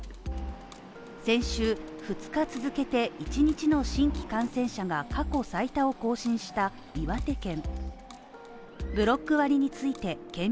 先週、２日続けて一日の新規感染者が過去最多を更新した岩手県。